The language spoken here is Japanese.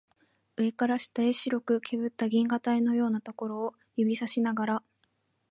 上から下へ白くけぶった銀河帯のようなところを指さしながら